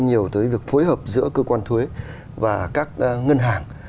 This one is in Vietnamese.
nhiều tới việc phối hợp giữa cơ quan thuế và các ngân hàng